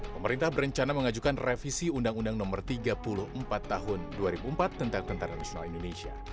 pemerintah berencana mengajukan revisi undang undang no tiga puluh empat tahun dua ribu empat tentang tentara nasional indonesia